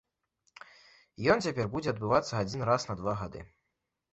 Ён цяпер будзе адбывацца адзін раз на два гады.